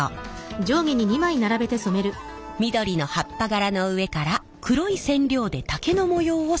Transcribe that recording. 緑の葉っぱ柄の上から黒い染料で竹の模様を染め上げます。